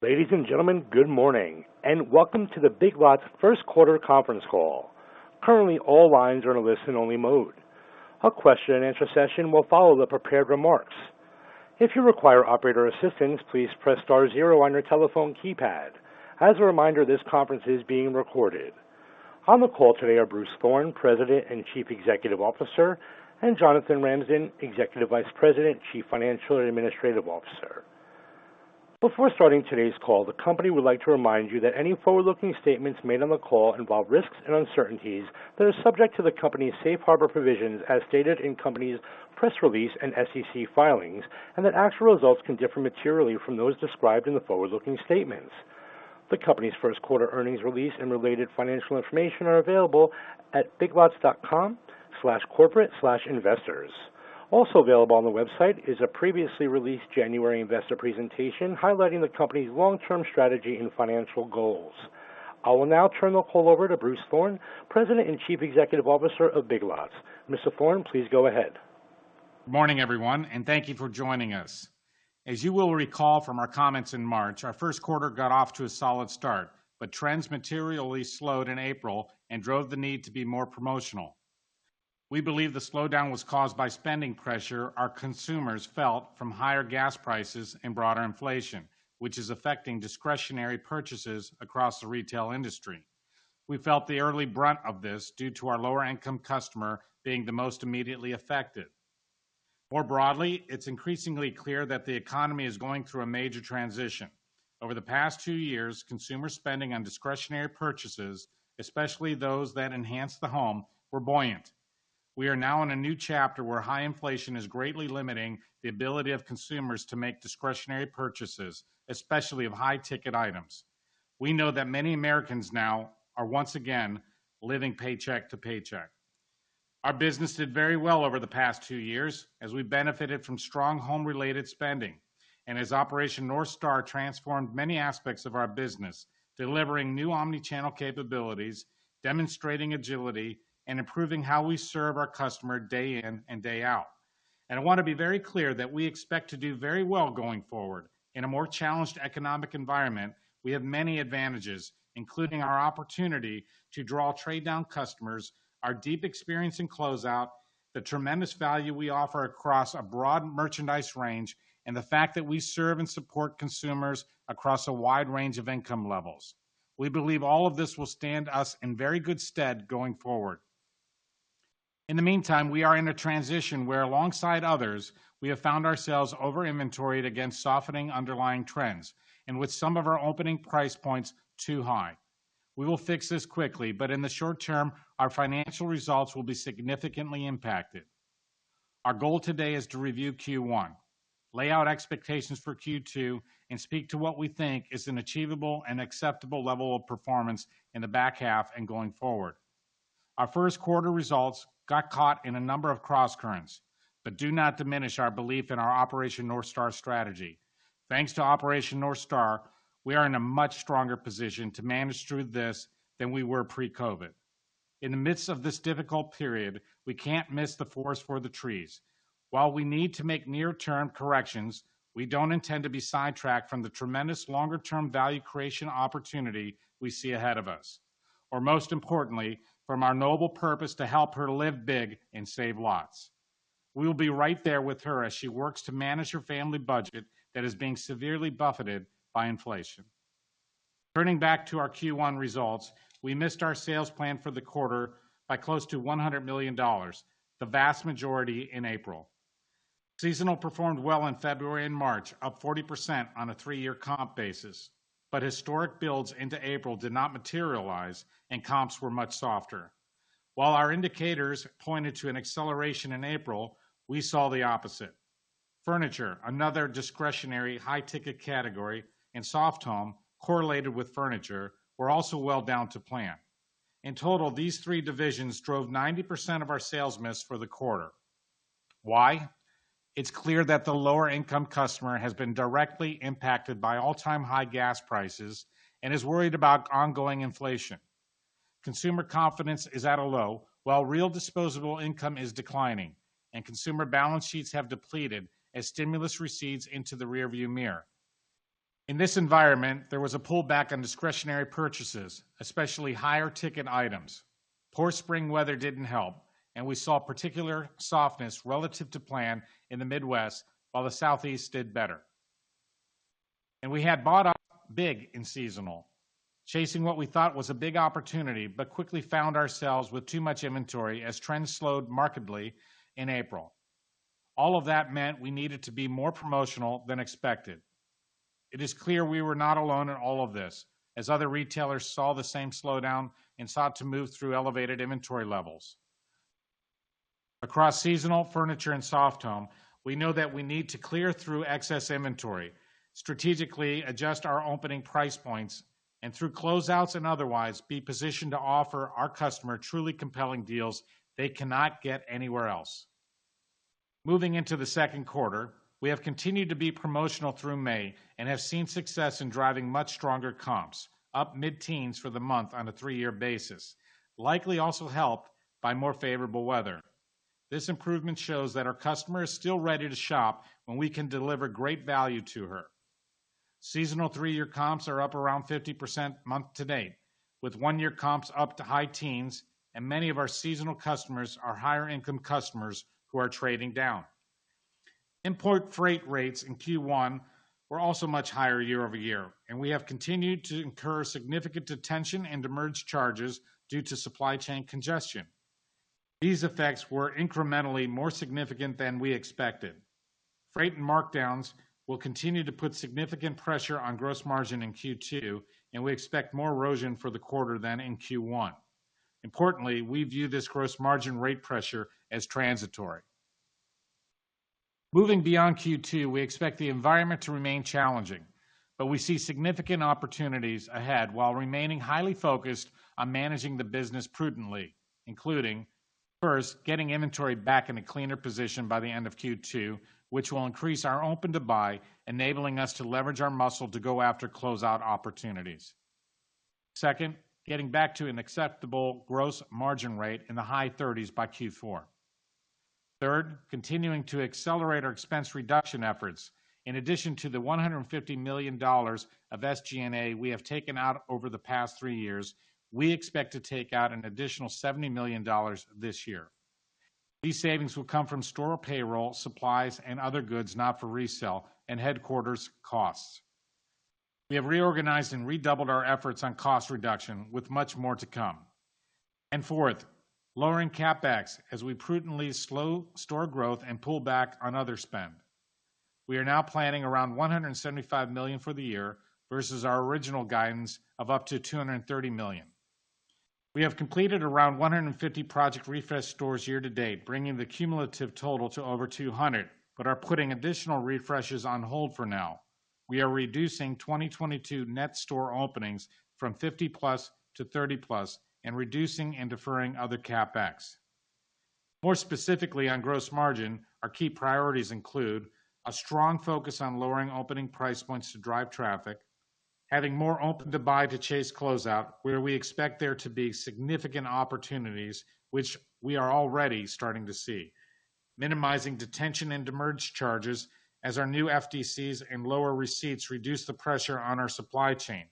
Ladies and gentlemen, good morning, and welcome to the Big Lots first quarter conference call. Currently, all lines are in a listen-only mode. A question-and-answer session will follow the prepared remarks. If you require operator assistance, please press star zero on your telephone keypad. As a reminder, this conference is being recorded. On the call today are Bruce Thorn, President and Chief Executive Officer, and Jonathan Ramsden, Executive Vice President, Chief Financial and Administrative Officer. Before starting today's call, the company would like to remind you that any forward-looking statements made on the call involve risks and uncertainties that are subject to the company's safe harbor provisions as stated in company's press release and SEC filings, and that actual results can differ materially from those described in the forward-looking statements. The company's first quarter earnings release and related financial information are available at biglots.com/corporate/investors. Also available on the website is a previously released January investor presentation highlighting the company's long-term strategy and financial goals. I will now turn the call over to Bruce Thorn, President and Chief Executive Officer of Big Lots. Mr. Thorn, please go ahead. Good morning, everyone, and thank you for joining us. As you will recall from our comments in March, our first quarter got off to a solid start, but trends materially slowed in April and drove the need to be more promotional. We believe the slowdown was caused by spending pressure our consumers felt from higher gas prices and broader inflation, which is affecting discretionary purchases across the retail industry. We felt the early brunt of this due to our lower income customer being the most immediately affected. More broadly, it's increasingly clear that the economy is going through a major transition. Over the past two years, consumer spending on discretionary purchases, especially those that enhance the home, were buoyant. We are now in a new chapter where high inflation is greatly limiting the ability of consumers to make discretionary purchases, especially of high ticket items. We know that many Americans now are once again living paycheck to paycheck. Our business did very well over the past two years as we benefited from strong home related spending. As Operation North Star transformed many aspects of our business, delivering new omni-channel capabilities, demonstrating agility, and improving how we serve our customer day in and day out. I want to be very clear that we expect to do very well going forward. In a more challenged economic environment, we have many advantages, including our opportunity to draw trade down customers, our deep experience in closeout, the tremendous value we offer across a broad merchandise range, and the fact that we serve and support consumers across a wide range of income levels. We believe all of this will stand us in very good stead going forward. In the meantime, we are in a transition where, alongside others, we have found ourselves over-inventoried against softening underlying trends and with some of our opening price points too high. We will fix this quickly, but in the short term, our financial results will be significantly impacted. Our goal today is to review Q1, lay out expectations for Q2, and speak to what we think is an achievable and acceptable level of performance in the back half and going forward. Our first quarter results got caught in a number of crosscurrents, but do not diminish our belief in our Operation North Star strategy. Thanks to Operation North Star, we are in a much stronger position to manage through this than we were pre-COVID. In the midst of this difficult period, we can't miss the forest for the trees. While we need to make near term corrections, we don't intend to be sidetracked from the tremendous longer term value creation opportunity we see ahead of us. Most importantly, from our noble purpose to help her live big and save lots. We will be right there with her as she works to manage her family budget that is being severely buffeted by inflation. Turning back to our Q1 results, we missed our sales plan for the quarter by close to $100 million, the vast majority in April. Seasonal performed well in February and March, up 40% on a three-year comp basis, but historic builds into April did not materialize and comps were much softer. While our indicators pointed to an acceleration in April, we saw the opposite. Furniture, another discretionary high ticket category, and soft home correlated with furniture were also well down to plan. In total, these three divisions drove 90% of our sales miss for the quarter. Why? It's clear that the lower income customer has been directly impacted by all-time high gas prices and is worried about ongoing inflation. Consumer confidence is at a low, while real disposable income is declining, and consumer balance sheets have depleted as stimulus recedes into the rearview mirror. In this environment, there was a pullback on discretionary purchases, especially higher ticket items. Poor spring weather didn't help, and we saw particular softness relative to plan in the Midwest, while the Southeast did better. We had bought up big in seasonal, chasing what we thought was a big opportunity, but quickly found ourselves with too much inventory as trends slowed markedly in April. All of that meant we needed to be more promotional than expected. It is clear we were not alone in all of this as other retailers saw the same slowdown and sought to move through elevated inventory levels. Across seasonal furniture and soft home, we know that we need to clear through excess inventory, strategically adjust our opening price points, and through closeouts and otherwise, be positioned to offer our customer truly compelling deals they cannot get anywhere else. Moving into the second quarter, we have continued to be promotional through May and have seen success in driving much stronger comps, up mid-teens for the month on a three-year basis, likely also helped by more favorable weather. This improvement shows that our customer is still ready to shop when we can deliver great value to her. Seasonal three-year comps are up around 50% month to date, with one-year comps up to high teens, and many of our seasonal customers are higher income customers who are trading down. Import freight rates in Q1 were also much higher year-over-year, and we have continued to incur significant detention and demurrage charges due to supply chain congestion. These effects were incrementally more significant than we expected. Freight and markdowns will continue to put significant pressure on gross margin in Q2, and we expect more erosion for the quarter than in Q1. Importantly, we view this gross margin rate pressure as transitory. Moving beyond Q2, we expect the environment to remain challenging, but we see significant opportunities ahead while remaining highly focused on managing the business prudently, including, first, getting inventory back in a cleaner position by the end of Q2, which will increase our open to buy, enabling us to leverage our muscle to go after closeout opportunities. Second, getting back to an acceptable gross margin rate in the high thirties by Q4. Third, continuing to accelerate our expense reduction efforts. In addition to the $150 million of SG&A we have taken out over the past three years, we expect to take out an additional $70 million this year. These savings will come from store payroll, supplies and other goods not for resale and headquarters costs. We have reorganized and redoubled our efforts on cost reduction with much more to come. Fourth, lowering CapEx as we prudently slow store growth and pull back on other spend. We are now planning around $175 million for the year versus our original guidance of up to $230 million. We have completed around 150 Project Refresh stores year to date, bringing the cumulative total to over 200, but are putting additional refreshes on hold for now. We are reducing 2022 net store openings from 50+ to 30+ and reducing and deferring other CapEx. More specifically on gross margin, our key priorities include a strong focus on lowering opening price points to drive traffic, having more open to buy to chase closeout, where we expect there to be significant opportunities which we are already starting to see. Minimizing detention and demurrage charges as our new FDCs and lower receipts reduce the pressure on our supply chain.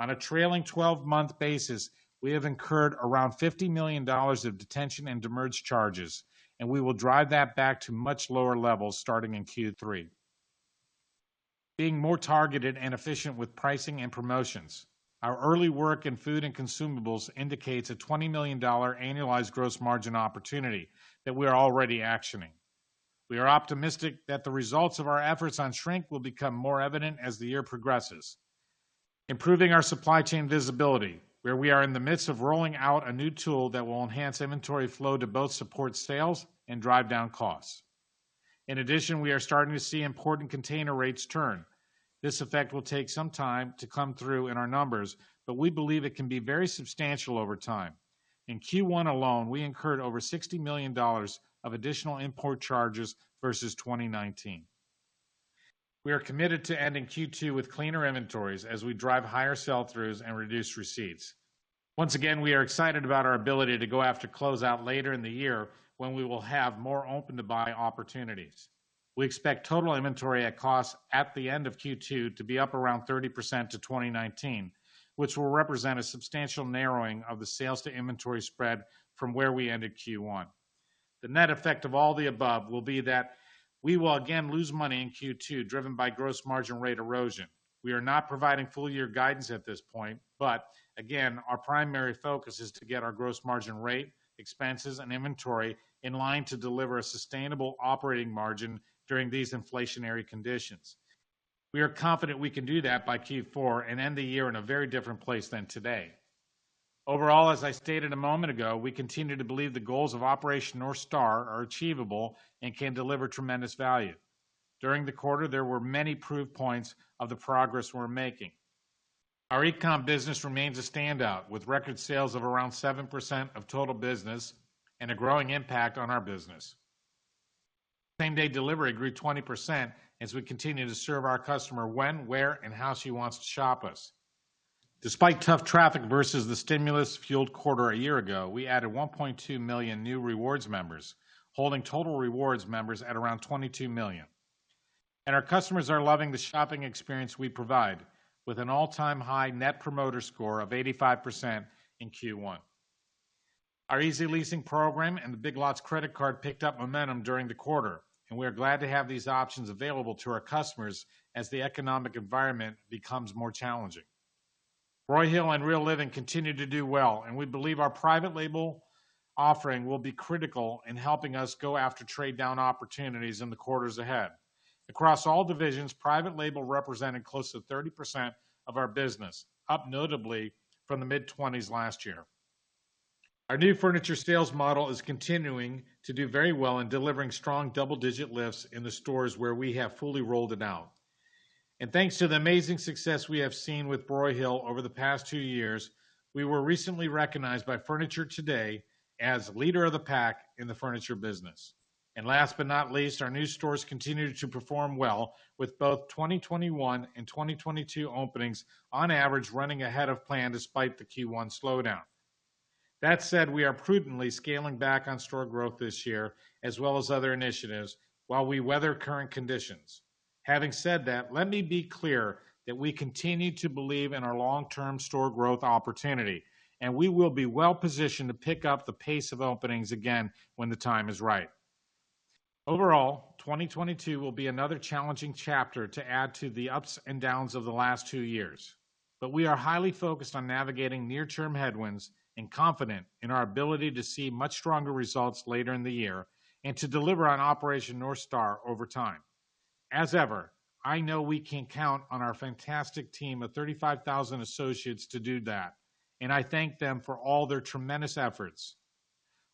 On a trailing 12-month basis, we have incurred around $50 million of detention and demurrage charges, and we will drive that back to much lower levels starting in Q3. Being more targeted and efficient with pricing and promotions. Our early work in food and consumables indicates a $20 million annualized gross margin opportunity that we are already actioning. We are optimistic that the results of our efforts on shrink will become more evident as the year progresses. Improving our supply chain visibility, where we are in the midst of rolling out a new tool that will enhance inventory flow to both support sales and drive down costs. In addition, we are starting to see important container rates turn. This effect will take some time to come through in our numbers, but we believe it can be very substantial over time. In Q1 alone, we incurred over $60 million of additional import charges versus 2019. We are committed to ending Q2 with cleaner inventories as we drive higher sell-throughs and reduce receipts. Once again, we are excited about our ability to go after closeout later in the year when we will have more open to buy opportunities. We expect total inventory at cost at the end of Q2 to be up around 30% to 2019, which will represent a substantial narrowing of the sales to inventory spread from where we ended Q1. The net effect of all the above will be that we will again lose money in Q2, driven by gross margin rate erosion. We are not providing full year guidance at this point, but again, our primary focus is to get our gross margin rate, expenses, and inventory in line to deliver a sustainable operating margin during these inflationary conditions. We are confident we can do that by Q4 and end the year in a very different place than today. Overall, as I stated a moment ago, we continue to believe the goals of Operation North Star are achievable and can deliver tremendous value. During the quarter, there were many proof points of the progress we're making. Our e-comm business remains a standout, with record sales of around 7% of total business and a growing impact on our business. Same-day delivery grew 20% as we continue to serve our customer when, where, and how she wants to shop us. Despite tough traffic versus the stimulus fueled quarter a year ago, we added 1.2 million new rewards members, holding total rewards members at around 22 million. Our customers are loving the shopping experience we provide with an all-time high Net Promoter Score of 85% in Q1. Our Easy Leasing program and the Big Lots credit card picked up momentum during the quarter, and we are glad to have these options available to our customers as the economic environment becomes more challenging. Broyhill and Real Living continue to do well, and we believe our private label offering will be critical in helping us go after trade down opportunities in the quarters ahead. Across all divisions, private label represented close to 30% of our business, up notably from the mid-20s last year. Our new furniture sales model is continuing to do very well in delivering strong double-digit lifts in the stores where we have fully rolled it out. Thanks to the amazing success we have seen with Broyhill over the past two years, we were recently recognized by Furniture Today as leader of the pack in the furniture business. Last but not least, our new stores continued to perform well with both 2021 and 2022 openings on average running ahead of plan despite the Q1 slowdown. That said, we are prudently scaling back on store growth this year as well as other initiatives while we weather current conditions. Having said that, let me be clear that we continue to believe in our long-term store growth opportunity, and we will be well positioned to pick up the pace of openings again when the time is right. Overall, 2022 will be another challenging chapter to add to the ups and downs of the last two years. We are highly focused on navigating near-term headwinds and confident in our ability to see much stronger results later in the year and to deliver on Operation North Star over time. As ever, I know we can count on our fantastic team of 35,000 associates to do that, and I thank them for all their tremendous efforts.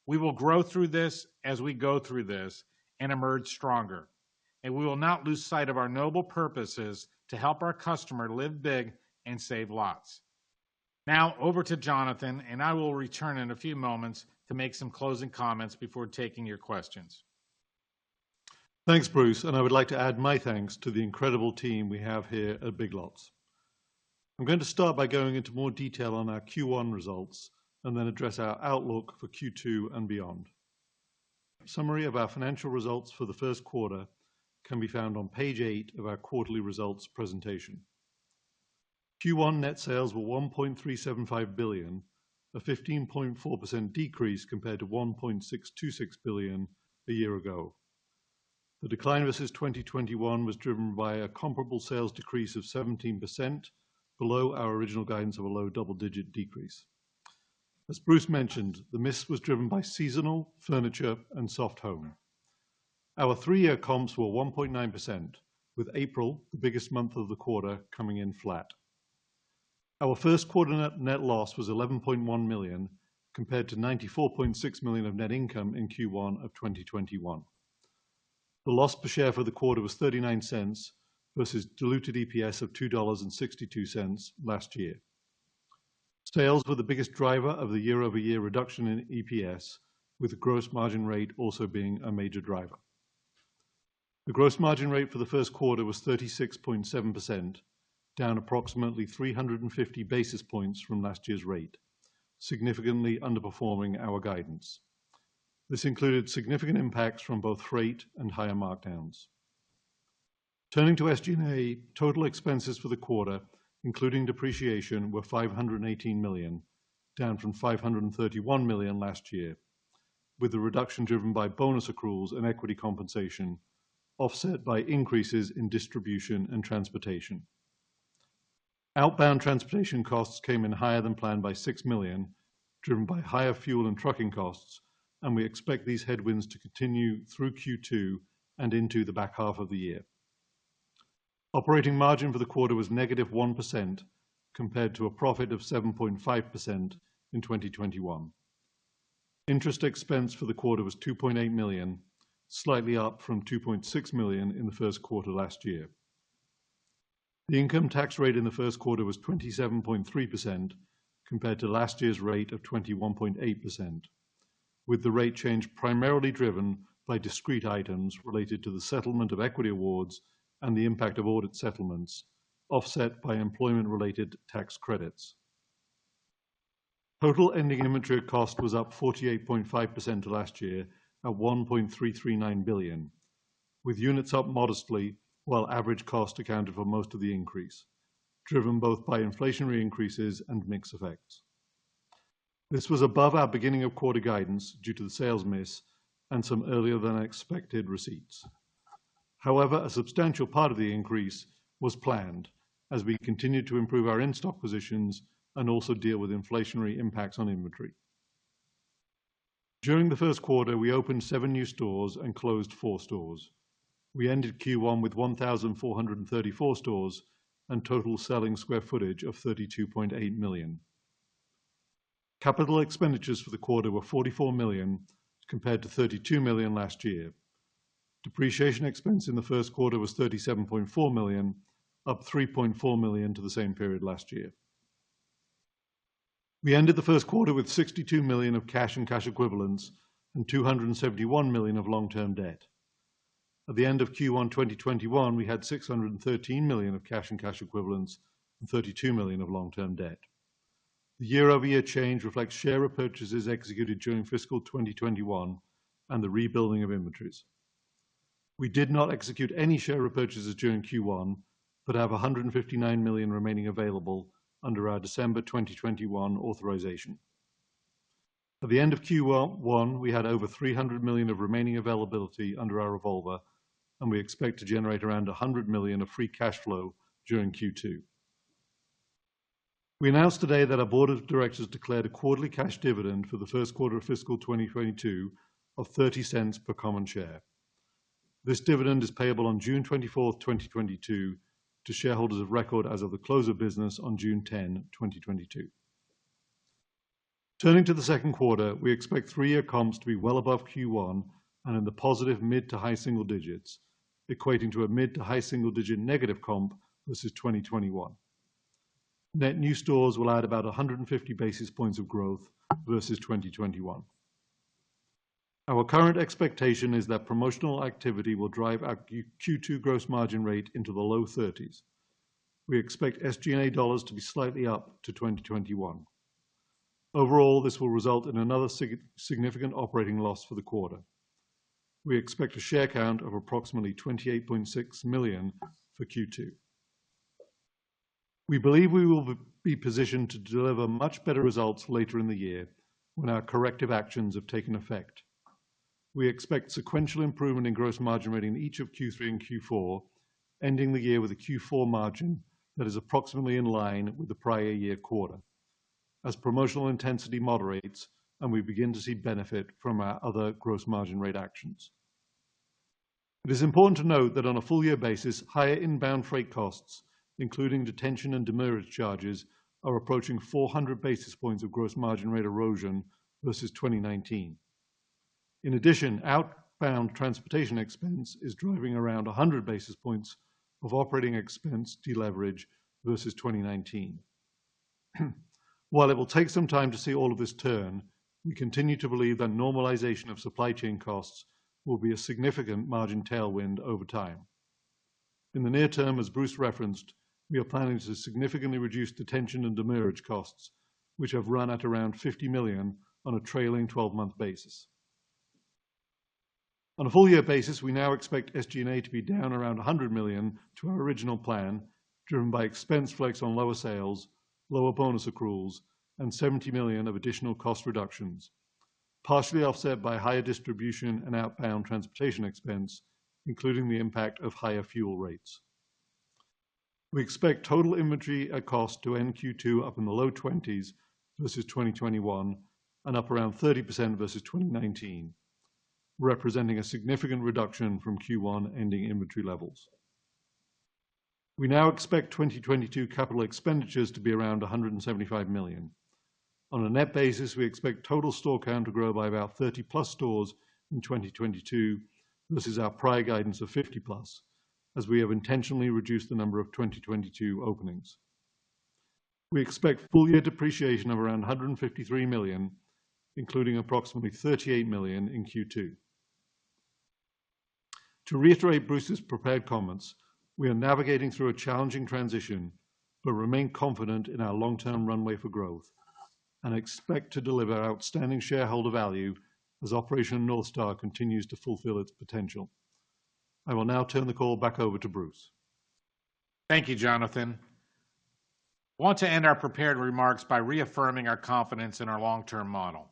We will grow through this as we go through this and emerge stronger, and we will not lose sight of our noble purposes to help our customer Live Big and Save Lots. Now over to Jonathan, and I will return in a few moments to make some closing comments before taking your questions. Thanks, Bruce, and I would like to add my thanks to the incredible team we have here at Big Lots. I'm going to start by going into more detail on our Q1 results and then address our outlook for Q2 and beyond. Summary of our financial results for the first quarter can be found on page eight of our quarterly results presentation. Q1 net sales were $1.375 billion, a 15.4% decrease compared to $1.626 billion a year ago. The decline versus 2021 was driven by a comparable sales decrease of 17%, below our original guidance of a low double-digit decrease. As Bruce mentioned, the miss was driven by seasonal, furniture, and soft home. Our three-year comps were 1.9%, with April, the biggest month of the quarter, coming in flat. Our first quarter net loss was $11.1 million, compared to $94.6 million of net income in Q1 of 2021. The loss per share for the quarter was $0.39 versus diluted EPS of $2.62 last year. Sales were the biggest driver of the year-over-year reduction in EPS, with gross margin rate also being a major driver. The gross margin rate for the first quarter was 36.7%, down approximately 350 basis points from last year's rate, significantly underperforming our guidance. This included significant impacts from both freight and higher markdowns. Turning to SG&A, total expenses for the quarter, including depreciation, were $518 million, down from $531 million last year, with the reduction driven by bonus accruals and equity compensation, offset by increases in distribution and transportation. Outbound transportation costs came in higher than planned by $6 million, driven by higher fuel and trucking costs, and we expect these headwinds to continue through Q2 and into the back half of the year. Operating margin for the quarter was negative 1% compared to a profit of 7.5% in 2021. Interest expense for the quarter was $2.8 million, slightly up from $2.6 million in the first quarter last year. The income tax rate in the first quarter was 27.3% compared to last year's rate of 21.8%, with the rate change primarily driven by discrete items related to the settlement of equity awards and the impact of audit settlements, offset by employment-related tax credits. Total ending inventory cost was up 48.5% from last year at $1.339 billion, with units up modestly while average cost accounted for most of the increase, driven both by inflationary increases and mix effects. This was above our beginning of quarter guidance due to the sales miss and some earlier than expected receipts. However, a substantial part of the increase was planned as we continued to improve our in-stock positions and also deal with inflationary impacts on inventory. During the first quarter, we opened seven new stores and closed four stores. We ended Q1 with 1,434 stores and total selling square footage of 32.8 million sq ft. Capital expenditures for the quarter were $44 million compared to $32 million last year. Depreciation expense in the first quarter was $37.4 million, up $3.4 million to the same period last year. We ended the first quarter with $62 million of cash and cash equivalents and $271 million of long-term debt. At the end of Q1 2021, we had $613 million of cash and cash equivalents and $32 million of long-term debt. The year-over-year change reflects share repurchases executed during fiscal 2021 and the rebuilding of inventories. We did not execute any share repurchases during Q1, but have $159 million remaining available under our December 2021 authorization. At the end of Q1, we had over $300 million of remaining availability under our revolver, and we expect to generate around $100 million of free cash flow during Q2. We announced today that our board of directors declared a quarterly cash dividend for the first quarter of fiscal 2022 of $0.30 per common share. This dividend is payable on June 24, 2022 to shareholders of record as of the close of business on June 10, 2022. Turning to the second quarter, we expect three-year comps to be well above Q1 and in the positive mid- to high-single digits, equating to a mid- to high-single-digit negative comp versus 2021. Net new stores will add about 150 basis points of growth versus 2021. Our current expectation is that promotional activity will drive our Q2 gross margin rate into the low 30s%. We expect SG&A dollars to be slightly up versus 2021. Overall, this will result in another significant operating loss for the quarter. We expect a share count of approximately 28.6 million for Q2. We believe we will be positioned to deliver much better results later in the year when our corrective actions have taken effect. We expect sequential improvement in gross margin rate in each of Q3 and Q4, ending the year with a Q4 margin that is approximately in line with the prior year quarter as promotional intensity moderates and we begin to see benefit from our other gross margin rate actions. It is important to note that on a full year basis, higher inbound freight costs, including detention and demurrage charges, are approaching 400 basis points of gross margin rate erosion versus 2019. In addition, outbound transportation expense is driving around 100 basis points of operating expense deleverage versus 2019. While it will take some time to see all of this turn, we continue to believe that normalization of supply chain costs will be a significant margin tailwind over time. In the near term, as Bruce referenced, we are planning to significantly reduce detention and demurrage costs, which have run at around $50 million on a trailing twelve-month basis. On a full year basis, we now expect SG&A to be down around $100 million to our original plan, driven by expense flex on lower sales, lower bonus accruals, and $70 million of additional cost reductions, partially offset by higher distribution and outbound transportation expense, including the impact of higher fuel rates. We expect total inventory at cost to end Q2 up in the low 20s versus 2021 and up around 30% versus 2019, representing a significant reduction from Q1 ending inventory levels. We now expect 2022 capital expenditures to be around $175 million. On a net basis, we expect total store count to grow by about 30+ stores in 2022. This is our prior guidance of 50+, as we have intentionally reduced the number of 2022 openings. We expect full year depreciation of around $153 million, including approximately $38 million in Q2. To reiterate Bruce's prepared comments, we are navigating through a challenging transition, but remain confident in our long-term runway for growth and expect to deliver outstanding shareholder value as Operation North Star continues to fulfill its potential. I will now turn the call back over to Bruce. Thank you, Jonathan. I want to end our prepared remarks by reaffirming our confidence in our long-term model.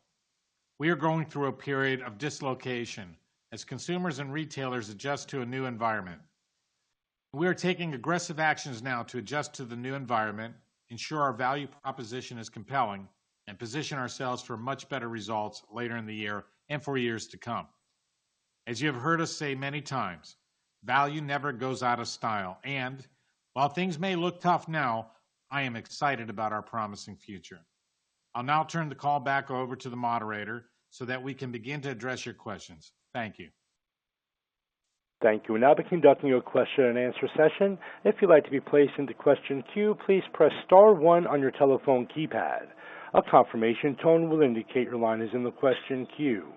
We are going through a period of dislocation as consumers and retailers adjust to a new environment. We are taking aggressive actions now to adjust to the new environment, ensure our value proposition is compelling, and position ourselves for much better results later in the year and for years to come. As you have heard us say many times, value never goes out of style. While things may look tough now, I am excited about our promising future. I'll now turn the call back over to the moderator so that we can begin to address your questions. Thank you. Thank you. We'll now be conducting a question and answer session. If you'd like to be placed into question queue, please press star one on your telephone keypad. A confirmation tone will indicate your line is in the question queue.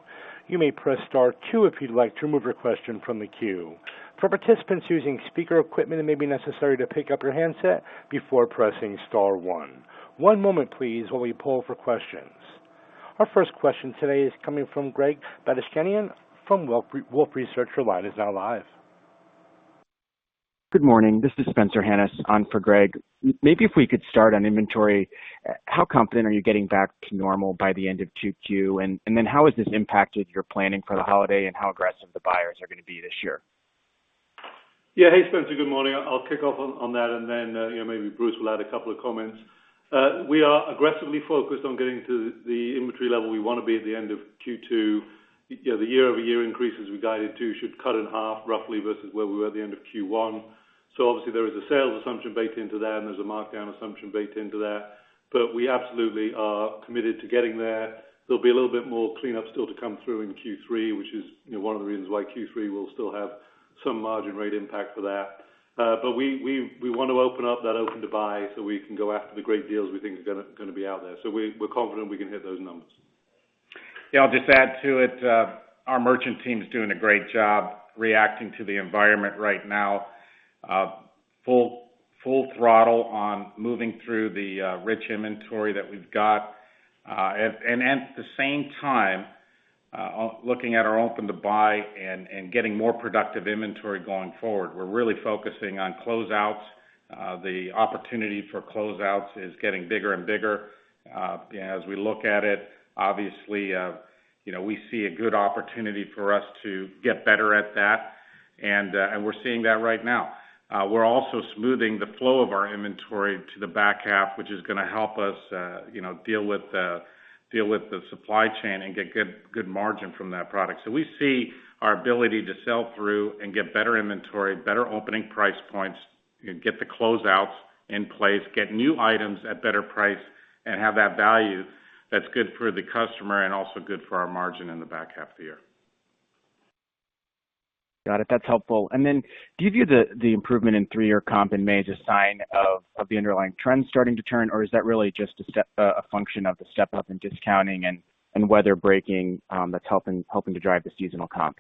You may press star two if you'd like to remove your question from the queue. For participants using speaker equipment, it may be necessary to pick up your handset before pressing star one. One moment please, while we poll for questions. Our first question today is coming from Greg Badishkanian from Wolfe Research. Your line is now live. Good morning. This is Spencer Hanus on for Greg. Maybe if we could start on inventory, how confident are you getting back to normal by the end of Q2? Then how has this impacted your planning for the holiday and how aggressive the buyers are gonna be this year? Yeah. Hey, Spencer. Good morning. I'll kick off on that, and then, you know, maybe Bruce will add a couple of comments. We are aggressively focused on getting to the inventory level we wanna be at the end of Q2. You know, the year-over-year increase as we guided to should cut in half roughly versus where we were at the end of Q1. Obviously there is a sales assumption baked into that, and there's a markdown assumption baked into that. We absolutely are committed to getting there. There'll be a little bit more cleanup still to come through in Q3, which is, you know, one of the reasons why Q3 will still have some margin rate impact for that. We want to open up that open to buy so we can go after the great deals we think is gonna be out there. We're confident we can hit those numbers. Yeah, I'll just add to it. Our merchant team is doing a great job reacting to the environment right now. Full throttle on moving through the rich inventory that we've got. At the same time, looking at our open to buy and getting more productive inventory going forward. We're really focusing on closeouts. The opportunity for closeouts is getting bigger and bigger. As we look at it, obviously, you know, we see a good opportunity for us to get better at that, and we're seeing that right now. We're also smoothing the flow of our inventory to the back half, which is gonna help us, you know, deal with the supply chain and get good margin from that product. We see our ability to sell through and get better inventory, better opening price points, get the closeouts in place, get new items at better price, and have that value that's good for the customer and also good for our margin in the back half of the year. Got it. That's helpful. Do you view the improvement in three-year comp in May as a sign of the underlying trends starting to turn? Or is that really just a step up in discounting and weather breaking that's helping to drive the seasonal comp?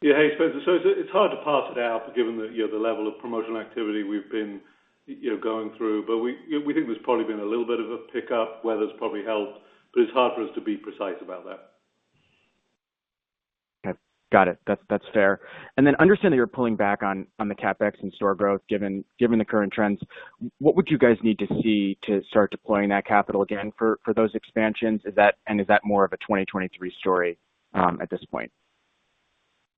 Yeah. Hey, Spencer. It's hard to parse it out given the, you know, the level of promotional activity we've been, you know, going through. We, you know, we think there's probably been a little bit of a pickup. Weather's probably helped, but it's hard for us to be precise about that. Okay. Got it. That's fair. Understand that you're pulling back on the CapEx and store growth given the current trends. What would you guys need to see to start deploying that capital again for those expansions? Is that and is that more of a 2023 story at this point?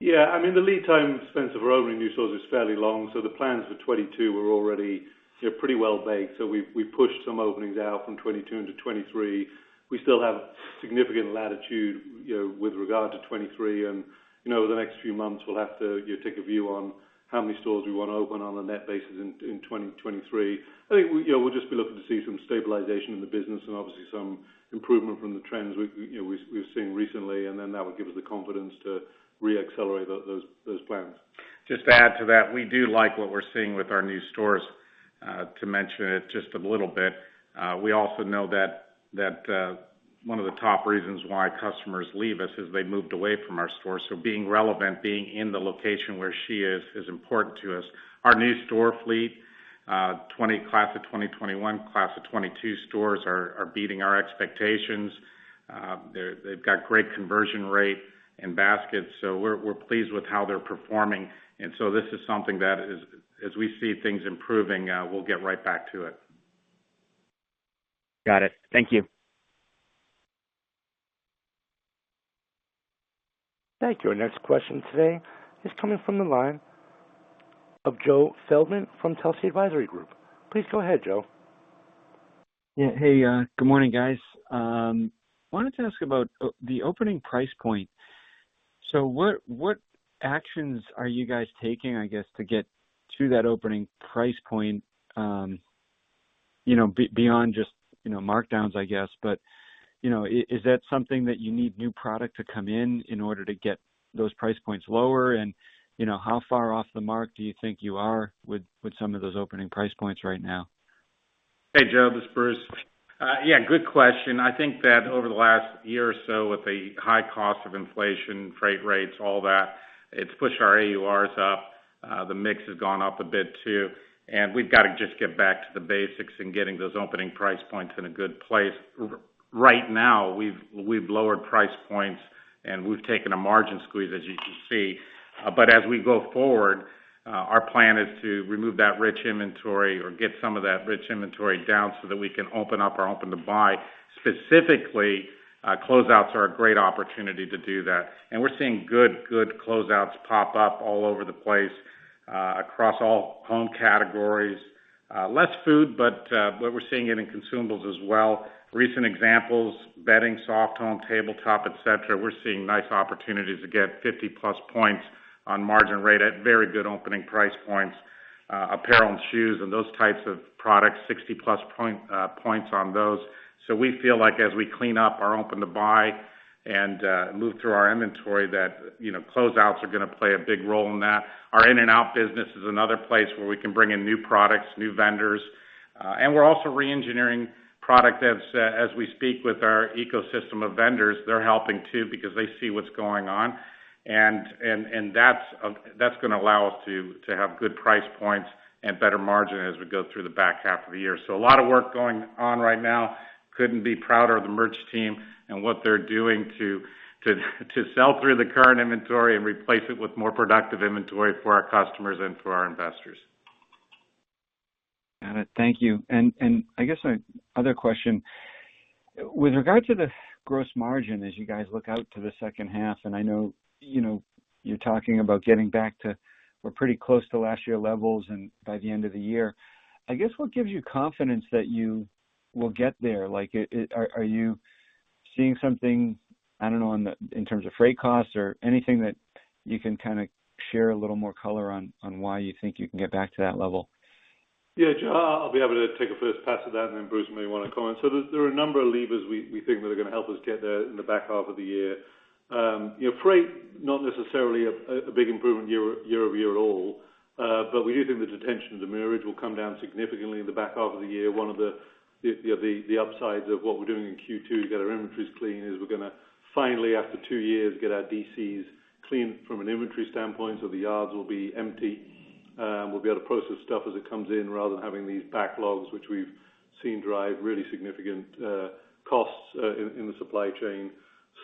Yeah. I mean, the lead time, Spencer, for opening new stores is fairly long, so the plans for 2022 were already, you know, pretty well baked. We pushed some openings out from 2022 into 2023. We still have significant latitude, you know, with regard to 2023. You know, over the next few months we'll have to, you know, take a view on how many stores we wanna open on a net basis in 2023. I think we, you know, we'll just be looking to see some stabilization in the business and obviously some improvement from the trends we've, you know, we've seen recently, and then that would give us the confidence to re-accelerate those plans. Just to add to that, we do like what we're seeing with our new stores, to mention it just a little bit. We also know that one of the top reasons why customers leave us is they moved away from our stores. Being relevant, being in the location where she is important to us. Our new store fleet, class of 2021, class of 2022 stores are beating our expectations. They've got great conversion rate and baskets, so we're pleased with how they're performing. This is something that is, as we see things improving, we'll get right back to it. Got it. Thank you. Thank you. Our next question today is coming from the line of Joe Feldman from Telsey Advisory Group. Please go ahead, Joe. Yeah. Hey, good morning, guys. Wanted to ask about the opening price point. What actions are you guys taking, I guess, to get to that opening price point, you know, beyond just, you know, markdowns, I guess. You know, is that something that you need new product to come in in order to get those price points lower? You know, how far off the mark do you think you are with some of those opening price points right now? Hey, Joe, this is Bruce. Yeah, good question. I think that over the last year or so, with the high cost of inflation, freight rates, all that, it's pushed our AURs up. The mix has gone up a bit too, and we've gotta just get back to the basics in getting those opening price points in a good place. Right now, we've lowered price points, and we've taken a margin squeeze, as you can see. As we go forward, our plan is to remove that rich inventory or get some of that rich inventory down so that we can open up our open to buy. Specifically, closeouts are a great opportunity to do that, and we're seeing good closeouts pop up all over the place, across all home categories. Less food, but we're seeing it in consumables as well. Recent examples, bedding, soft home, tabletop, et cetera. We're seeing nice opportunities to get 50+ points on margin rate at very good opening price points. Apparel and shoes and those types of products, 60+ points on those. We feel like as we clean up our open to buy and move through our inventory that, you know, closeouts are gonna play a big role in that. Our in and out business is another place where we can bring in new products, new vendors. We're also re-engineering product as we speak with our ecosystem of vendors. They're helping too because they see what's going on. That's gonna allow us to have good price points and better margin as we go through the back half of the year. A lot of work going on right now. Couldn't be prouder of the merch team and what they're doing to sell through the current inventory and replace it with more productive inventory for our customers and for our investors. Got it. Thank you. I guess my other question, with regard to the gross margin as you guys look out to the second half, and I know, you know, you're talking about getting back to or pretty close to last year levels and by the end of the year. I guess what gives you confidence that you will get there? Like, are you seeing something, I don't know, in terms of freight costs or anything that you can kinda share a little more color on why you think you can get back to that level? Yeah, Joe, I’ll be able to take a first pass at that and then Bruce may wanna comment. There’s a number of levers we think that are gonna help us get there in the back half of the year. You know, freight, not necessarily a big improvement year over year at all. But we do think the detention and demurrage will come down significantly in the back half of the year. One of the upsides of what we’re doing in Q2 to get our inventories clean is we’re gonna finally, after two years, get our DCs clean from an inventory standpoint, so the yards will be empty. We'll be able to process stuff as it comes in, rather than having these backlogs, which we've seen drive really significant costs in the supply chain.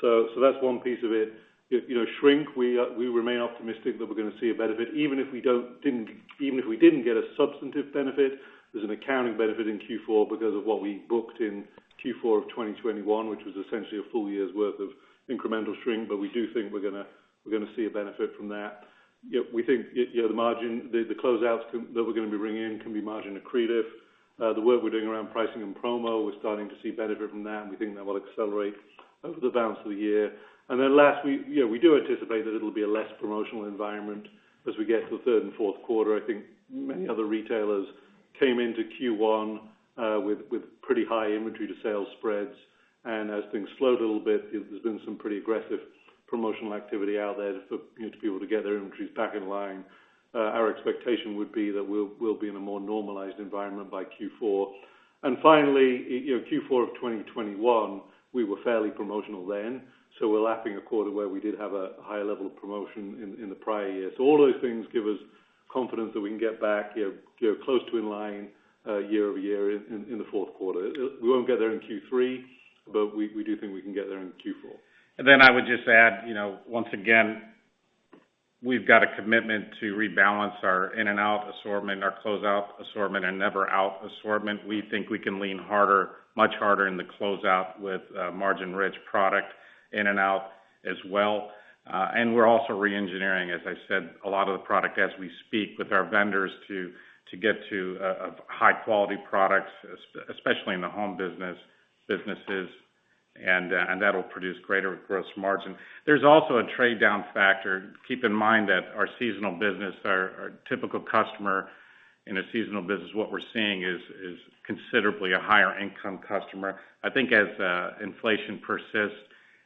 That's one piece of it. You know, shrink, we remain optimistic that we're gonna see a benefit even if we didn't get a substantive benefit. There's an accounting benefit in Q4 because of what we booked in Q4 of 2021, which was essentially a full year's worth of incremental shrink. We do think we're gonna see a benefit from that. You know, we think, you know, the closeouts that we're gonna be bringing in can be margin accretive. The work we're doing around pricing and promo, we're starting to see benefit from that, and we think that will accelerate over the balance of the year. Last, we, you know, do anticipate that it'll be a less promotional environment. As we get to the third and fourth quarter, I think many other retailers came into Q1 with pretty high inventory to sales spreads. As things slowed a little bit, there's been some pretty aggressive promotional activity out there for, you know, to be able to get their inventories back in line. Our expectation would be that we'll be in a more normalized environment by Q4. Finally, you know, Q4 of 2021, we were fairly promotional then, so we're lapping a quarter where we did have a higher level of promotion in the prior year. All those things give us confidence that we can get back, you know, close to in line year-over-year in the fourth quarter. We won't get there in Q3, but we do think we can get there in Q4. I would just add, you know, once again, we've got a commitment to rebalance our in and out assortment, our closeout assortment, and never out assortment. We think we can lean harder, much harder in the closeout with margin-rich product in and out as well. And we're also re-engineering, as I said, a lot of the product as we speak with our vendors to get to high quality products, especially in the home businesses, and that'll produce greater gross margin. There's also a trade down factor. Keep in mind that our seasonal business, our typical customer in a seasonal business, what we're seeing is a considerably higher income customer. I think as inflation persists,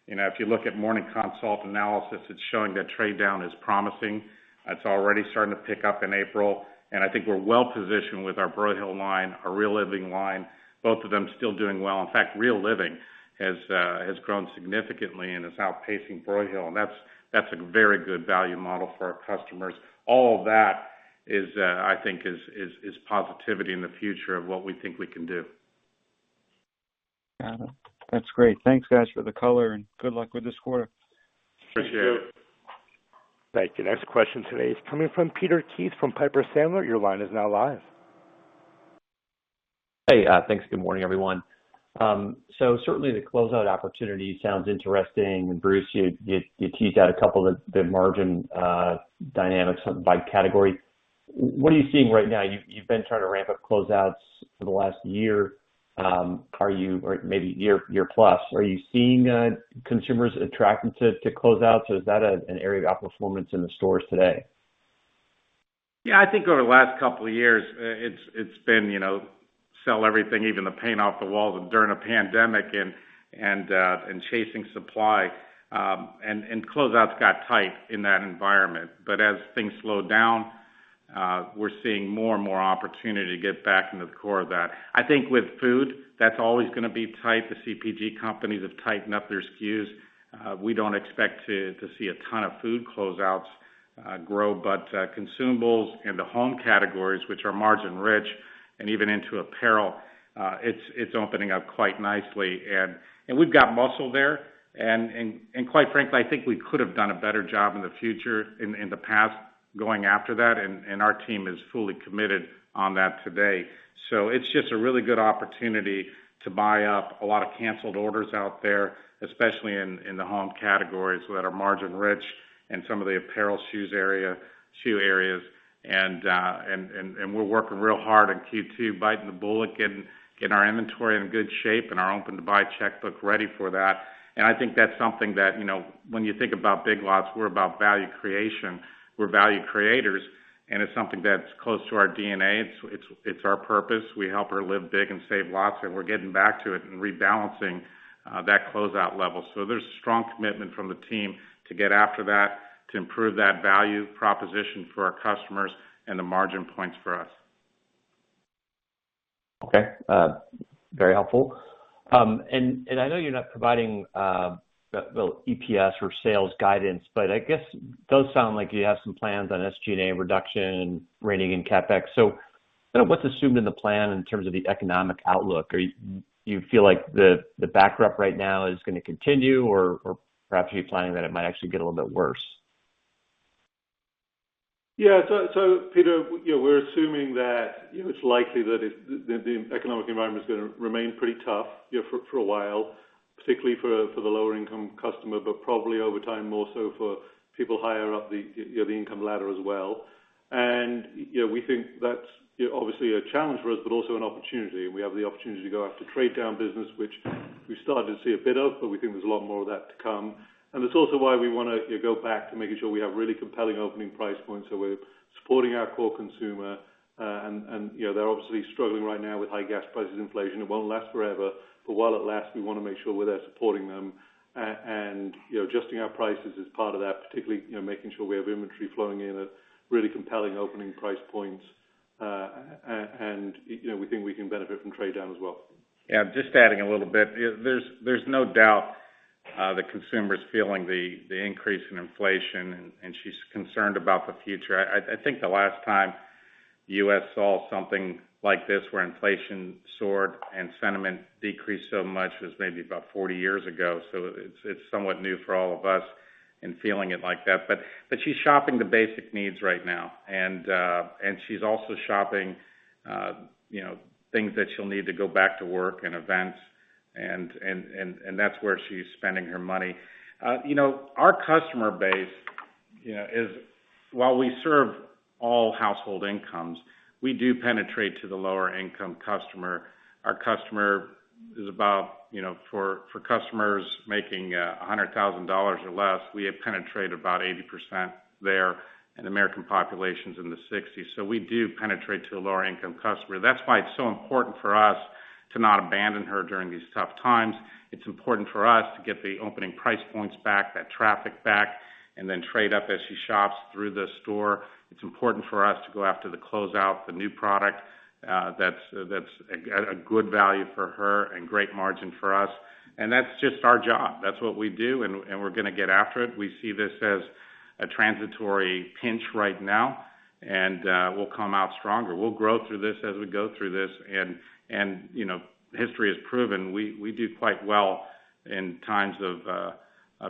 you know, if you look at Morning Consult analysis, it's showing that trade down is promising. It's already starting to pick up in April, and I think we're well positioned with our Broyhill line, our Real Living line, both of them still doing well. In fact, Real Living has grown significantly and is outpacing Broyhill, and that's a very good value model for our customers. All of that is, I think is positivity in the future of what we think we can do. Got it. That's great. Thanks, guys, for the color, and good luck with this quarter. Appreciate it. Thank you. Thank you. Next question today is coming from Peter Keith from Piper Sandler. Your line is now live. Hey. Thanks. Good morning, everyone. Certainly the closeout opportunity sounds interesting. Bruce, you teased out a couple of the margin dynamics by category. What are you seeing right now? You've been trying to ramp up closeouts for the last year or maybe year plus. Are you seeing consumers attracted to closeouts, or is that an area of outperformance in the stores today? Yeah, I think over the last couple of years, it's been, you know, sell everything, even the paint off the walls and during a pandemic and chasing supply, and closeouts got tight in that environment. As things slow down, we're seeing more and more opportunity to get back into the core of that. I think with food, that's always gonna be tight. The CPG companies have tightened up their SKUs. We don't expect to see a ton of food closeouts grow, but consumables in the home categories, which are margin rich and even into apparel, it's opening up quite nicely. We've got muscle there. Quite frankly, I think we could have done a better job in the past, going after that, and our team is fully committed on that today. It's just a really good opportunity to buy up a lot of canceled orders out there, especially in the home categories that are margin rich and some of the apparel shoes area, shoe areas. We're working real hard in Q2, biting the bullet, getting our inventory in good shape and our open to buy checkbook ready for that. I think that's something that, you know, when you think about Big Lots, we're about value creation. We're value creators, and it's something that's close to our DNA. It's our purpose. We help her live big and save lots, and we're getting back to it and rebalancing, that closeout level. There's strong commitment from the team to get after that, to improve that value proposition for our customers and the margin points for us. Okay. Very helpful. I know you're not providing EPS or sales guidance, but I guess it does sound like you have some plans on SG&A reduction, reining in CapEx. Kind of what's assumed in the plan in terms of the economic outlook? Do you feel like the backdrop right now is gonna continue, or perhaps are you planning that it might actually get a little bit worse? Yeah. Peter, you know, we're assuming that, you know, the economic environment is gonna remain pretty tough, you know, for a while, particularly for the lower income customer, but probably over time, more so for people higher up the, you know, the income ladder as well. You know, we think that's obviously a challenge for us, but also an opportunity. We have the opportunity to go after trade-down business, which we started to see a bit of, but we think there's a lot more of that to come. That's also why we wanna, you know, go back to making sure we have really compelling opening price points so we're supporting our core consumer. You know, they're obviously struggling right now with high gas prices, inflation. It won't last forever, but while it lasts, we wanna make sure we're there supporting them. You know, adjusting our prices is part of that, particularly, you know, making sure we have inventory flowing in at really compelling opening price points. You know, we think we can benefit from trade down as well. Yeah, just adding a little bit. There's no doubt the consumer is feeling the increase in inflation, and she's concerned about the future. I think the last time U.S. saw something like this where inflation soared and sentiment decreased so much was maybe about 40 years ago. It's somewhat new for all of us in feeling it like that. She's shopping the basic needs right now, and she's also shopping, you know, things that she'll need to go back to work and events and that's where she's spending her money. You know, our customer base, you know, is while we serve all household incomes, we do penetrate to the lower income customer. Our customer is about, you know, for customers making $100,000 or less, we have penetrated about 80% there and American populations in the 60s. We do penetrate to a lower income customer. That's why it's so important for us to not abandon her during these tough times. It's important for us to get the opening price points back, that traffic back, and then trade up as she shops through the store. It's important for us to go after the closeout, the new product, that's a good value for her and great margin for us. That's just our job. That's what we do, and we're gonna get after it. We see this as a transitory pinch right now, and we'll come out stronger. We'll grow through this as we go through this. You know, history has proven we do quite well in times of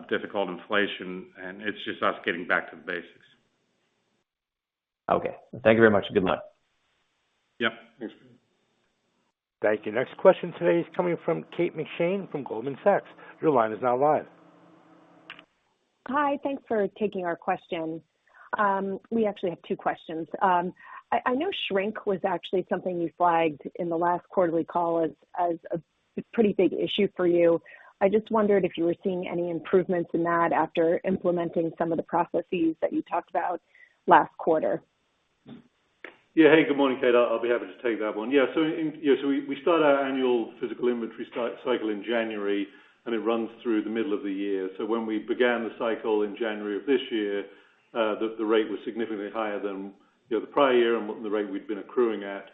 difficult inflation, and it's just us getting back to basics. Okay. Thank you very much, and good luck. Yep. Thanks. Thank you. Next question today is coming from Kate McShane from Goldman Sachs. Your line is now live. Hi. Thanks for taking our question. We actually have two questions. I know shrink was actually something you flagged in the last quarterly call as a pretty big issue for you. I just wondered if you were seeing any improvements in that after implementing some of the processes that you talked about last quarter. Yeah. Hey, good morning, Kate. I'll be happy to take that one. Yeah, so we start our annual physical inventory cycle in January, and it runs through the middle of the year. When we began the cycle in January of this year, the rate was significantly higher than, you know, the prior year and the rate we'd been accruing at.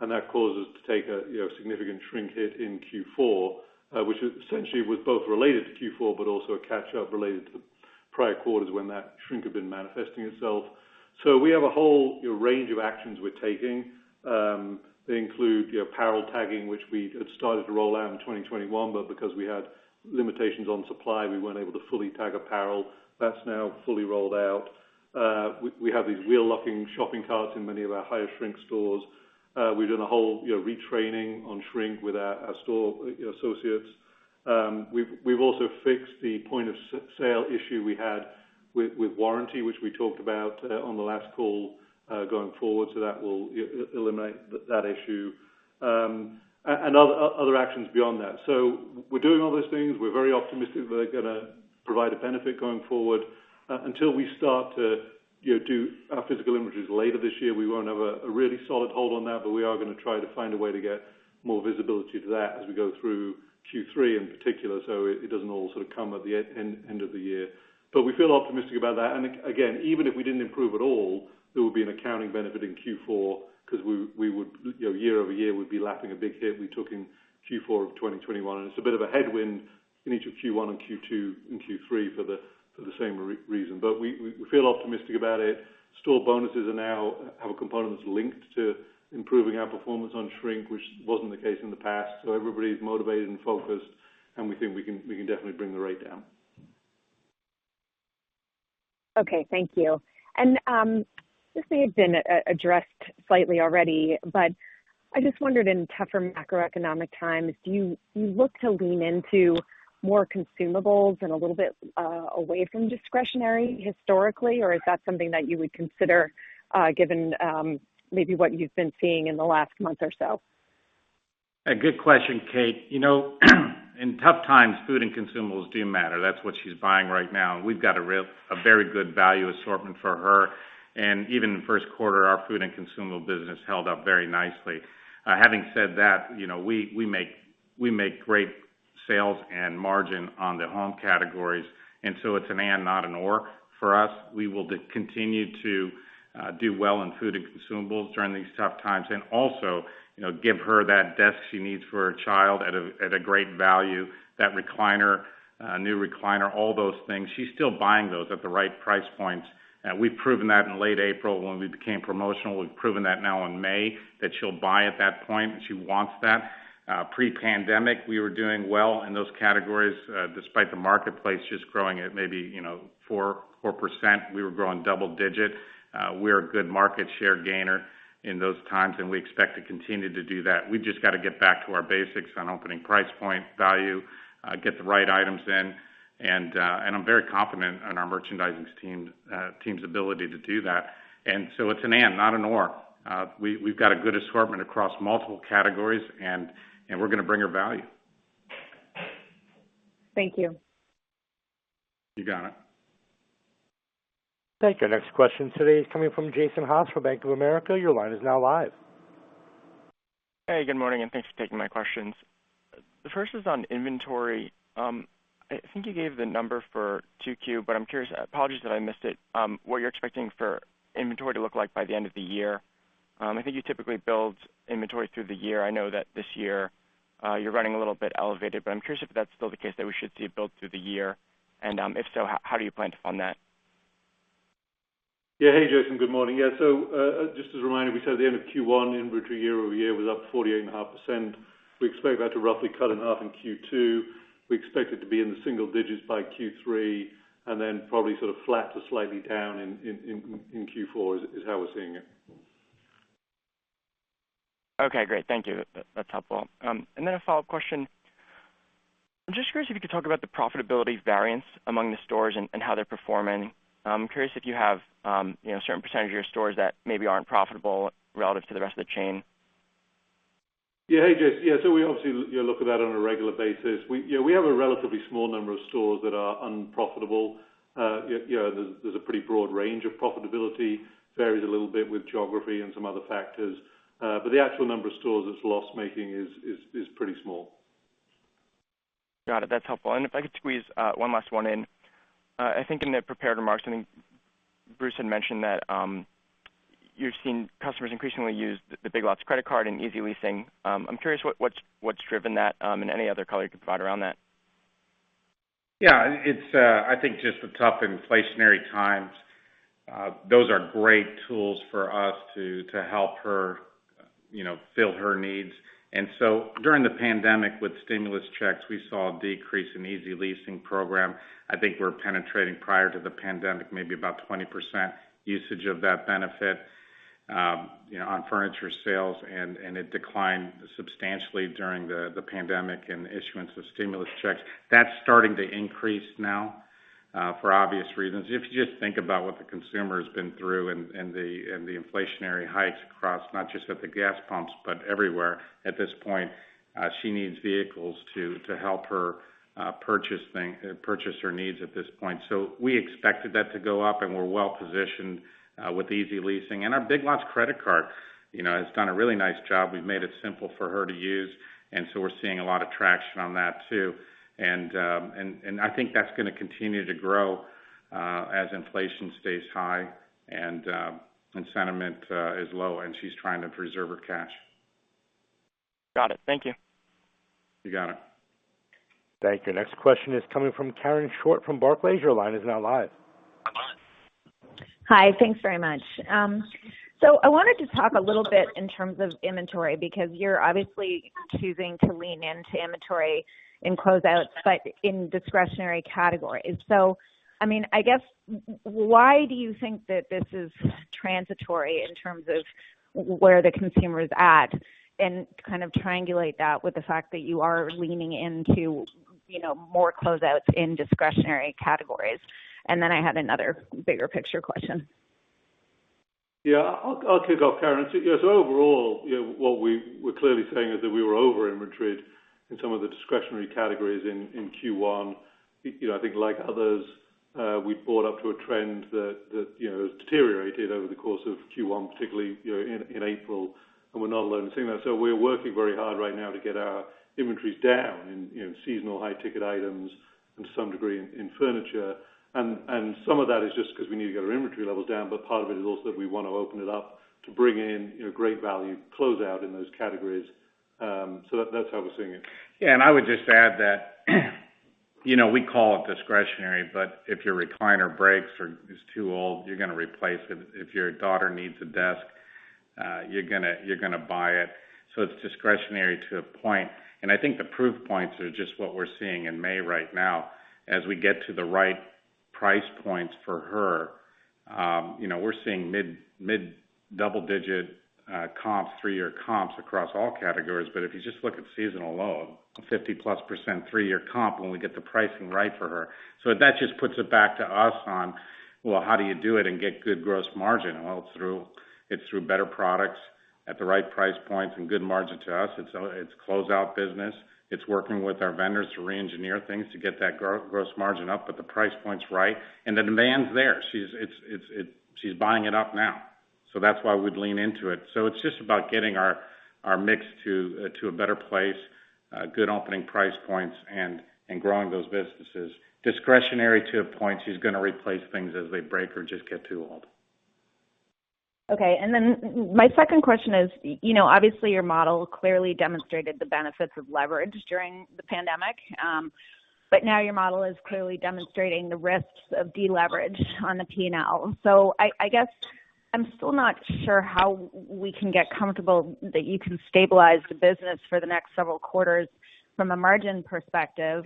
That caused us to take a, you know, significant shrink hit in Q4, which essentially was both related to Q4, but also a catch-up related to the prior quarters when that shrink had been manifesting itself. We have a whole, you know, range of actions we're taking. They include, you know, apparel tagging, which we had started to roll out in 2021, but because we had limitations on supply, we weren't able to fully tag apparel. That's now fully rolled out. We have these wheel-locking shopping carts in many of our higher shrink stores. We've done a whole, you know, retraining on shrink with our store associates. We've also fixed the point of sale issue we had with warranty, which we talked about on the last call going forward, so that will eliminate that issue, and other actions beyond that. We're doing all those things. We're very optimistic they're gonna provide a benefit going forward. Until we start to, you know, do our physical inventories later this year, we won't have a really solid hold on that. We are gonna try to find a way to get more visibility to that as we go through Q3 in particular, so it doesn't all sort of come at the end of the year. We feel optimistic about that. Again, even if we didn't improve at all, there would be an accounting benefit in Q4 because we would, you know, year over year, we'd be lapping a big hit we took in Q4 of 2021. It's a bit of a headwind in each of Q1 and Q2 and Q3 for the same reason. We feel optimistic about it. Store bonuses now have a component that's linked to improving our performance on shrink, which wasn't the case in the past. Everybody's motivated and focused, and we think we can definitely bring the rate down. Okay, thank you. This may have been addressed slightly already, but I just wondered in tougher macroeconomic times, do you look to lean into more consumables and a little bit away from discretionary historically, or is that something that you would consider, given maybe what you've been seeing in the last month or so? A good question, Kate. You know, in tough times, food and consumables do matter. That's what she's buying right now. We've got a very good value assortment for her. Even the first quarter, our food and consumable business held up very nicely. Having said that, you know, we make great sales and margin on the home categories, and so it's an and not an or for us. We will continue to do well in food and consumables during these tough times and also, you know, give her that desk she needs for her child at a great value, that recliner, new recliner, all those things. She's still buying those at the right price points. We've proven that in late April when we became promotional. We've proven that now in May that she'll buy at that point, and she wants that. Pre-pandemic, we were doing well in those categories, despite the marketplace just growing at maybe, you know, 4%. We were growing double-digit. We're a good market share gainer in those times, and we expect to continue to do that. We've just got to get back to our basics on opening price point value, get the right items in. I'm very confident on our merchandising team's ability to do that. It's an and, not an or. We've got a good assortment across multiple categories, and we're gonna bring her value. Thank you. You got it. Thank you. Next question today is coming from Jason Haas for Bank of America. Your line is now live. Hey, good morning, and thanks for taking my questions. The first is on inventory. I think you gave the number for 2Q, but I'm curious, apologies that I missed it, what you're expecting for inventory to look like by the end of the year. I think you typically build inventory through the year. I know that this year, you're running a little bit elevated, but I'm curious if that's still the case that we should see it built through the year. If so, how do you plan to fund that? Hey, Jason, good morning. Just as a reminder, we said at the end of Q1, inventory year-over-year was up 48.5%. We expect that to roughly cut in half in Q2. We expect it to be in the single digits by Q3, and then probably sort of flat to slightly down in Q4 is how we're seeing it. Okay, great. Thank you. That's helpful. A follow-up question. I'm just curious if you could talk about the profitability variance among the stores and how they're performing. I'm curious if you have, you know, a certain percentage of your stores that maybe aren't profitable relative to the rest of the chain. Hey, Jess. We obviously, you know, look at that on a regular basis. You know, we have a relatively small number of stores that are unprofitable. You know, there's a pretty broad range of profitability, varies a little bit with geography and some other factors. But the actual number of stores that's loss-making is pretty small. Got it. That's helpful. If I could squeeze one last one in. I think in the prepared remarks, I think Bruce had mentioned that you're seeing customers increasingly use the Big Lots credit card and Easy Leasing. I'm curious what's driven that, and any other color you could provide around that. Yeah. It's, I think just the tough inflationary times. Those are great tools for us to help her, you know, fill her needs. During the pandemic, with stimulus checks, we saw a decrease in Easy Leasing program. I think we're penetrating prior to the pandemic, maybe about 20% usage of that benefit, you know, on furniture sales, and it declined substantially during the pandemic and the issuance of stimulus checks. That's starting to increase now, for obvious reasons. If you just think about what the consumer's been through and the inflationary hikes across, not just at the gas pumps, but everywhere at this point, she needs vehicles to help her purchase her needs at this point. We expected that to go up, and we're well positioned with Easy Leasing and our Big Lots credit card. You know, it's done a really nice job. We've made it simple for her to use, and so we're seeing a lot of traction on that too. I think that's gonna continue to grow as inflation stays high and sentiment is low, and she's trying to preserve her cash. Got it. Thank you. You got it. Thank you. Next question is coming from Karen Short from Barclays. Your line is now live. Hi. Thanks very much. I wanted to talk a little bit in terms of inventory because you're obviously choosing to lean into inventory in closeouts, but in discretionary categories. I mean, I guess why do you think that this is transitory in terms of where the consumer is at and kind of triangulate that with the fact that you are leaning into, you know, more closeouts in discretionary categories? I had another bigger picture question. I'll kick off, Karen. Overall, you know, what we were clearly saying is that we were over-inventoried in some of the discretionary categories in Q1. You know, I think like others, we bought up to a trend that you know, has deteriorated over the course of Q1, particularly you know, in April, and we're not alone seeing that. We're working very hard right now to get our inventories down in you know, seasonal high ticket items and to some degree in furniture. Some of that is just because we need to get our inventory levels down, but part of it is also that we wanna open it up to bring in you know, great value closeout in those categories. That's how we're seeing it. Yeah. I would just add that, you know, we call it discretionary, but if your recliner breaks or is too old, you're gonna replace it. If your daughter needs a desk, you're gonna buy it. It's discretionary to a point. I think the proof points are just what we're seeing in May right now as we get to the right price points for her. You know, we're seeing mid-double-digit comps, three-year comps across all categories. If you just look at seasonal alone, 50%+ three-year comp when we get the pricing right for her. That just puts it back to us on, well, how do you do it and get good gross margin? Through better products at the right price points and good margin to us. It's closeout business. It's working with our vendors to reengineer things to get that gross margin up at the price point's right. The demand's there. She's buying it up now. That's why we'd lean into it. It's just about getting our mix to a better place, good opening price points and growing those businesses. Discretionary to a point, she's gonna replace things as they break or just get too old. Okay. My second question is, you know, obviously, your model clearly demonstrated the benefits of leverage during the pandemic. Now your model is clearly demonstrating the risks of deleverage on the P&L. I guess I'm still not sure how we can get comfortable that you can stabilize the business for the next several quarters from a margin perspective,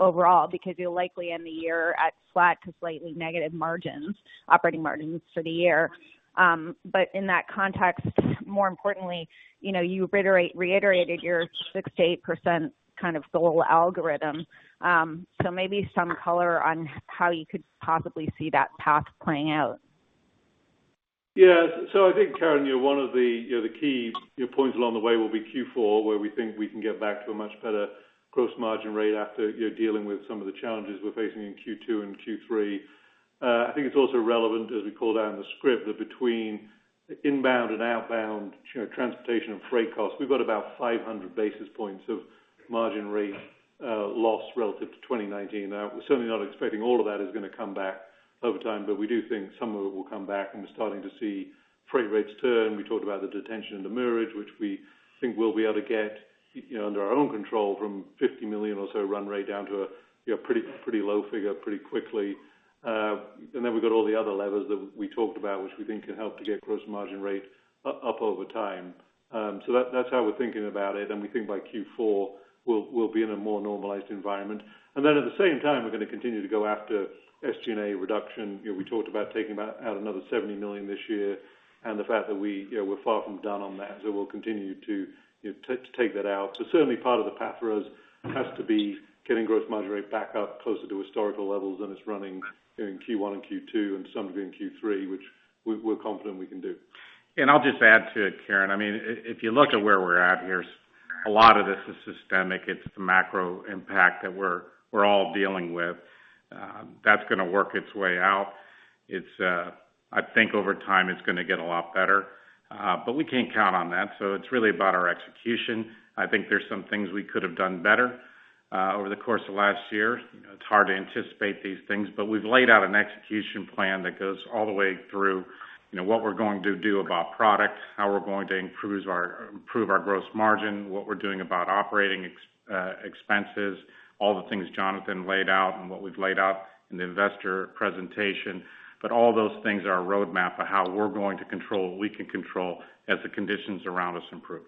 overall, because you'll likely end the year at flat to slightly negative margins, operating margins for the year. In that context, more importantly, you know, you reiterated your 6%-8% kind of goal algorithm. Maybe some color on how you could possibly see that path playing out. Yeah. I think, Karen, you know, one of the, you know, the key, you know, points along the way will be Q4, where we think we can get back to a much better gross margin rate after, you know, dealing with some of the challenges we're facing in Q2 and Q3. I think it's also relevant, as we called out in the script, that between inbound and outbound, you know, transportation and freight costs, we've got about 500 basis points of margin rate loss relative to 2019. Now, we're certainly not expecting all of that is gonna come back over time, but we do think some of it will come back, and we're starting to see freight rates turn. We talked about the detention and demurrage, which we think we'll be able to get, you know, under our own control from $50 million or so run rate down to a, you know, pretty low figure pretty quickly. We've got all the other levers that we talked about, which we think can help to get gross margin rate up over time. That's how we're thinking about it, and we think by Q4, we'll be in a more normalized environment. At the same time, we're gonna continue to go after SG&A reduction. You know, we talked about taking out another $70 million this year and the fact that we, you know, we're far from done on that. We'll continue to, you know, take that out. Certainly part of the path for us has to be getting gross margin rate back up closer to historical levels than it's running in Q1 and Q2 and some of it in Q3, which we're confident we can do. I'll just add to it, Karen. I mean, if you look at where we're at here, a lot of this is systemic. It's the macro impact that we're all dealing with that's gonna work its way out. I think over time it's gonna get a lot better, but we can't count on that. It's really about our execution. I think there's some things we could have done better over the course of last year. It's hard to anticipate these things, but we've laid out an execution plan that goes all the way through, you know, what we're going to do about product, how we're going to improve our gross margin, what we're doing about operating expenses, all the things Jonathan laid out and what we've laid out in the investor presentation. All those things are a roadmap of how we're going to control what we can control as the conditions around us improve.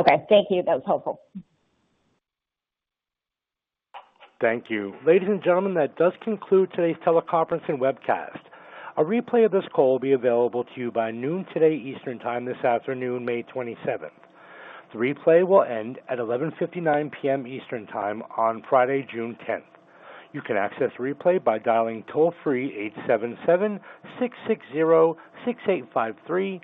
Okay, thank you. That was helpful. Thank you. Ladies and gentlemen, that does conclude today's teleconference and webcast. A replay of this call will be available to you by noon today, Eastern Time, this afternoon, May 27. The replay will end at 11:59 P.M. Eastern Time on Friday, June 10. You can access replay by dialing toll-free 877-660-6853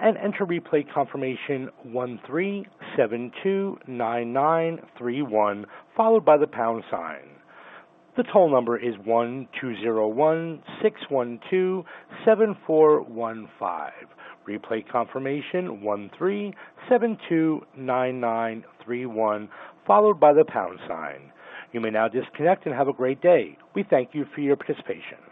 and enter replay confirmation 13729931, followed by the pound sign. The toll number is 1201-612-7415. Replay confirmation 13729931, followed by the pound sign. You may now disconnect and have a great day. We thank you for your participation.